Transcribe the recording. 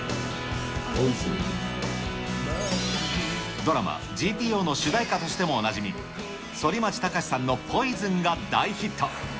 ドラマ、ＧＴＯの主題歌としてもおなじみ、反町隆史さんのポイズンが大ヒット。